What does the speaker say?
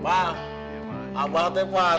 mbak abah tepat